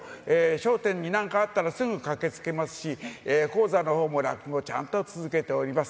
笑点になんかあったら、すぐ駆けつけますし、高座のほうも、落語をちゃんと続けております。